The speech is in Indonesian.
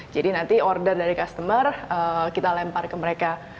jadi nanti order dari customer kita lempar ke mereka